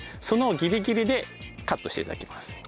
そのギリギリでカットして頂きます。